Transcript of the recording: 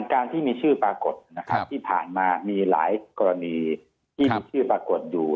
การที่มีชื่อปรากฏนะครับที่ผ่านมามีหลายกรณีที่มีชื่อปรากฏอยู่